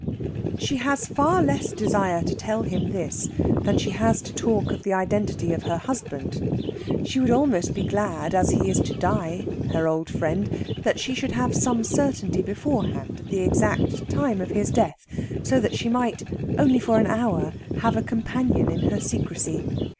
She has far less desire to tell him this than she has to talk of the identity of her husband. She would almost be glad, as he is to die her old friend that she should have some certainty beforehand of the exact time of his death, so that she might, only for an hour a companion in her secrecy.